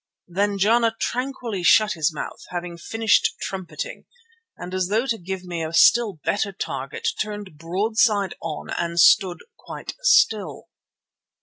Then Jana tranquilly shut his mouth, having finished trumpeting, and as though to give me a still better target, turned broadside on and stood quite still.